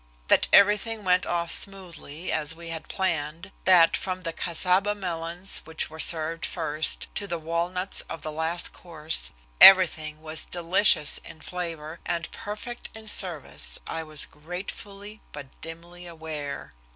That everything went off smoothly, as we had planned, that from the Casaba melons which were served first to the walnuts of the last course, everything was delicious in flavor and perfect in service I was gratefully but dimly aware.